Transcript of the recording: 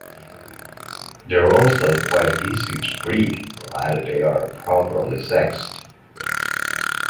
They are also quite easy to breed provided they are properly sexed.